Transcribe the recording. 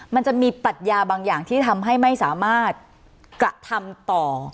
มันจะมีปัญญาบางอย่างที่ทำให้ไม่สามารถกระทำต่อ